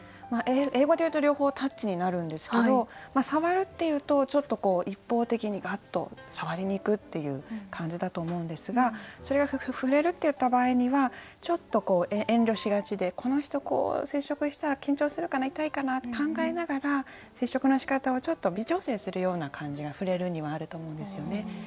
英語で言うと両方「タッチ」になるんですけど「さわる」って言うとちょっとこう一方的にガッとさわりにいくっていう感じだと思うんですがそれが「ふれる」って言った場合にはちょっとこう遠慮しがちでこの人こう接触したら緊張するかな痛いかなって考えながら接触のしかたをちょっと微調整するような感じが「ふれる」にはあると思うんですよね。